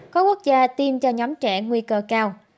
có quốc gia tiêm cho nhóm trẻ nguy cơ cao